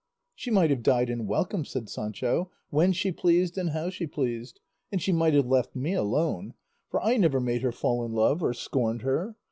"She might have died and welcome," said Sancho, "when she pleased and how she pleased; and she might have left me alone, for I never made her fall in love or scorned her.